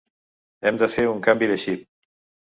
Hem de fer un canvi de xip.